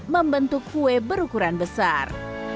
membentuk kue berukuran besar